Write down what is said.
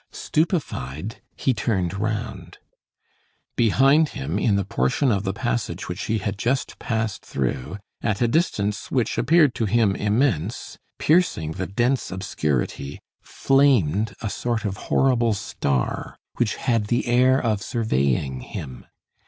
Stupefied, he turned round. Behind him, in the portion of the passage which he had just passed through, at a distance which appeared to him immense, piercing the dense obscurity, flamed a sort of horrible star which had the air of surveying him.